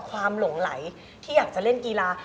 หลงไหลที่อยากจะเล่นกีฬา